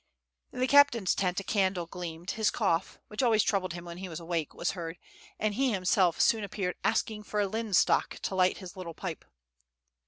In the captain's tent a candle gleamed; his cough, which always troubled him when he was awake, was heard; and he himself soon appeared, asking for a linstock to light his little pipe.